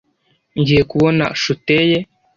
Ngiye kubona shuteye.